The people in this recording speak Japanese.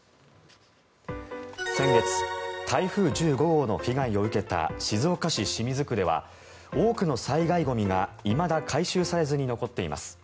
先月台風１５号の被害を受けた静岡市清水区では多くの災害ゴミがいまだ回収されずに残っています。